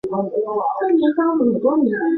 江西乡试第七十九名。